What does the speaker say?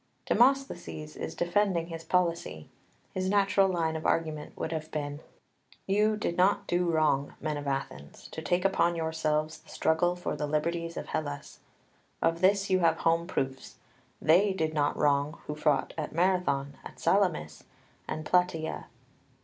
2 Demosthenes is defending his policy; his natural line of argument would have been: "You did not do wrong, men of Athens, to take upon yourselves the struggle for the liberties of Hellas. Of this you have home proofs. They did not wrong who fought at Marathon, at Salamis, and Plataea."